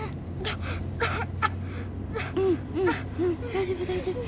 大丈夫大丈夫。